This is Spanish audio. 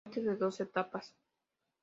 Cohete de dos etapas.